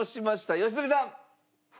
良純さん！